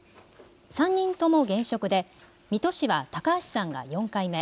３人とも現職で水戸市は高橋さんが４回目。